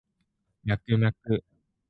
ミャクミャク